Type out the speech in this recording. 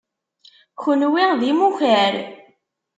Kunwi d imukar.